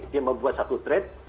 dia membuat satu trade